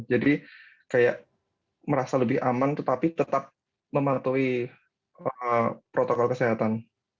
jadi kayak merasa lebih aman tetapi tetap mematuhi protokol kesehatan